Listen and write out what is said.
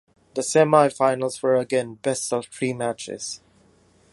The semifinals were again best-of-three matches.